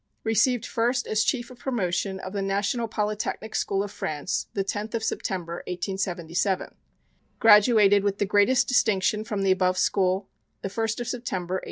Received first as Chief of Promotion of the National Polytechnic School of France, the 10th of September, 1877. Graduated with the greatest distinction from the above school the 1st of September, 1879.